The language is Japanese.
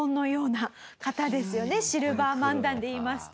シルバー漫談で言いますと。